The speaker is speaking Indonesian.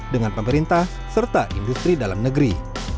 dengan pemerintah serta industri dalam negeri